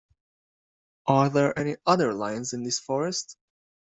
Are there any other lions in this forest?